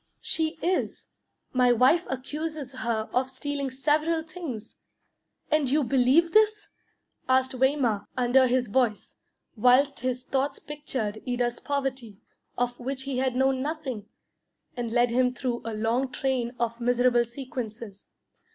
"She is. My wife accuses her of stealing several things." "And you believe this?" asked Waymark, under his voice, whilst his thoughts pictured Ida's poverty, of which he had known nothing, and led him through a long train of miserable sequences.